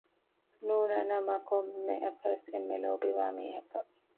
ނޫނަނަމަ ކޮންމެއަކަސް އެންމެ ލޯބިވާ މީހަކަށް